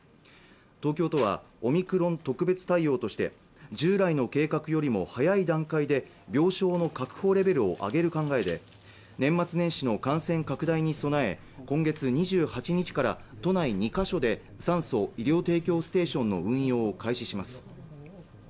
東京都はオミクロン特別対応として従来の計画よりも早い段階で病床の確保レベルを上げる考えで年末年始の感染拡大に備え今月２８日から都内２か所で酸素・医療提供ステーションの運用を開始します